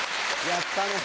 やったね。